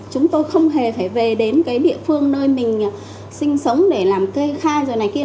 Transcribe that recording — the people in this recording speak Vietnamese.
chúng tôi không hề phải về đến cái địa phương nơi mình sinh sống để làm kê khai rồi này kia